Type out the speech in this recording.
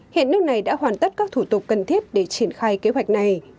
hiện nước này đã hoàn tất các thủ tục cần thiết để triển khai kế hoạch này